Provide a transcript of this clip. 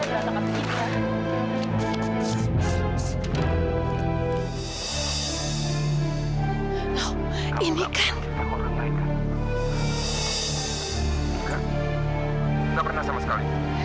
seharusnya masalah ini gak ada yang tahu jokowi